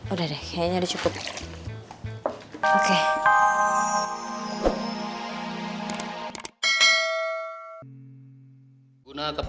udah deh kayaknya udah cukup